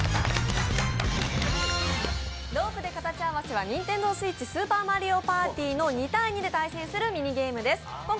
ロープウエーで形合わせは、ＮｉｎｔｅｎｄｏＳｗｉｔｃｈ「スーパーマリオパーティ」の２対２で対戦するミニゲームです。